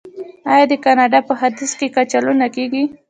آیا د کاناډا په ختیځ کې کچالو نه کیږي؟